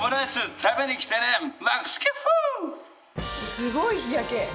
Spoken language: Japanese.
すごい日焼け！